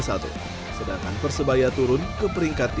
sedangkan persebaya turun ke peringkat tiga belas